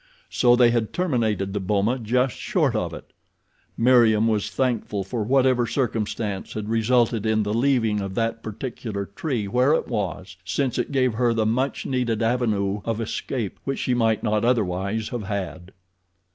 So they had terminated the boma just short of it. Meriem was thankful for whatever circumstance had resulted in the leaving of that particular tree where it was, since it gave her the much needed avenue of escape which she might not otherwise have had.